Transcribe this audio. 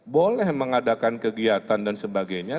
boleh mengadakan kegiatan dan sebagainya